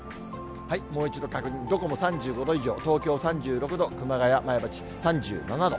もう一度確認、どこも３５度以上、東京３６度、熊谷、前橋、３７度。